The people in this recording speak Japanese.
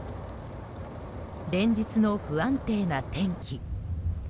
連日の不安定な天気。